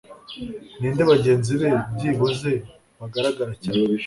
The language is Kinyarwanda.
ninde bagenzi be byibuze bagaragara cyane